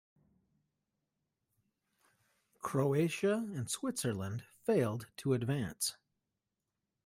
Croatia and Switzerland failed to advance.